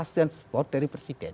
pastian spot dari presiden